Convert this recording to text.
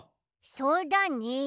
そうだね。